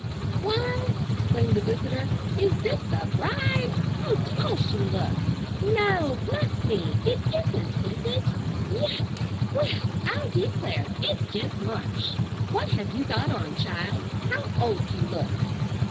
"Why!" exclaimed the visitor, "is this the bride? How tall she looks! No! Bless me! it isn't, is it? Yes,—Well! I'll declare. It's just Marsh! What have you got on, child? How old you look!"